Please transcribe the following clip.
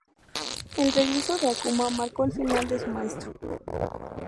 El regreso de Akuma marcó el final de su maestro.